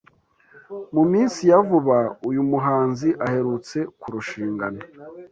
”Mu minsi ya vuba uyu muhanzi aherutse kurushingana